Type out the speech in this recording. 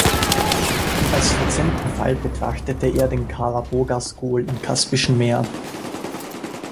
Als rezenten Fall betrachtete er den Kara-Bogas-Gol im Kaspischen Meer.